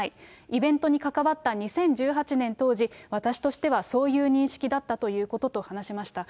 イベントに関わった２０１８年当時、私としてはそういう認識だったということと話しました。